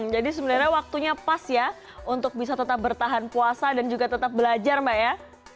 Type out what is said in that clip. jadi sebenarnya waktunya pas ya untuk bisa tetap bertahan puasa dan juga tetap belajar mbak ya